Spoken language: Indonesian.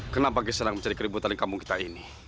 kenapa kau senang mencari keributan dari kampung kita ini